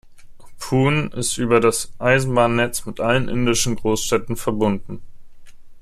Pune ist über das Eisenbahnnetz mit allen indischen Großstädten verbunden.